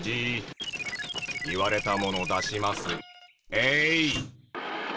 えい！